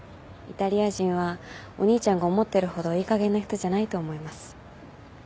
イタリア人はお兄ちゃんが思ってるほどいいかげんな人じゃないと思います。